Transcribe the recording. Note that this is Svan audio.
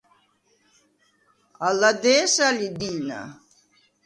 ალა დე̄სა ლი დი̄ნა.